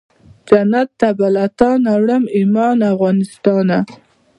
جنت ته به له تانه وړم ایمان افغانستانه